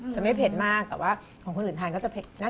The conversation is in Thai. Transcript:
อย่างที่ตามวันนี้เป็นพริกกะเหลี่ยง